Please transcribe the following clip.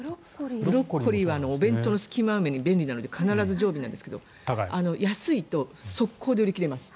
ブロッコリーはお弁当の隙間埋めに便利なので常備なんですが安いとすぐ売り切れます。